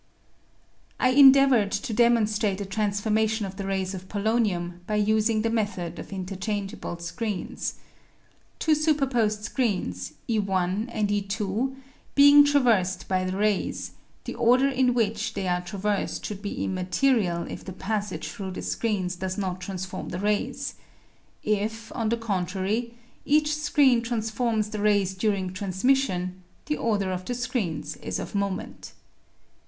I endeavoured to demonstrate a transformation of the rays of polonium by using the method of interchangeable screens. Two superposed screens, Ei and E2, being traversed by the rays, the order in which they are traversed should be immaterial if the passage through the screens does not transform the rays ; if, on the contrary, each screen transforms the rays during transmission, the order of the screens is of moment.